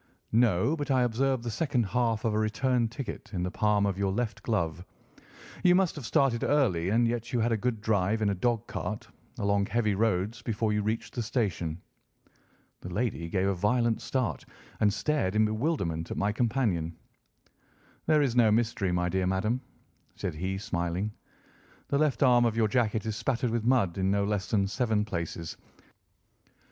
"No, but I observe the second half of a return ticket in the palm of your left glove. You must have started early, and yet you had a good drive in a dog cart, along heavy roads, before you reached the station." The lady gave a violent start and stared in bewilderment at my companion. "There is no mystery, my dear madam," said he, smiling. "The left arm of your jacket is spattered with mud in no less than seven places.